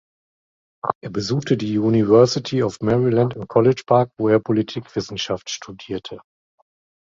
Er besuchte die University of Maryland in College Park, wo er Politikwissenschaft studierte.